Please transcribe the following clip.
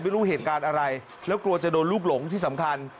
ไม่รู้เหตุการณ์อะไรแล้วกลัวจะโดนลูกหลงที่สำคัญ